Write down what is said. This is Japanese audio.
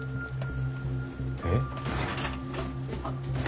えっ。